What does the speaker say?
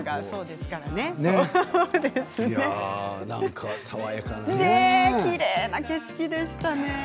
そうですからね。